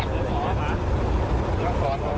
นี่ค่ะตำรวจตัวจริงตำรวจจากสนองศพ